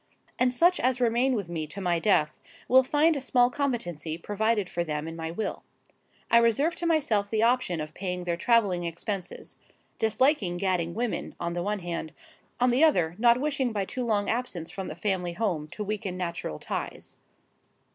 And such as remain with me to my death, will find a small competency provided for them in my will. I reserve to myself the option of paying their travelling expenses,—disliking gadding women, on the one hand; on the other, not wishing by too long absence from the family home to weaken natural ties.